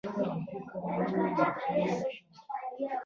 د نخبه پاړکي خپلې ګټې ولیدلې.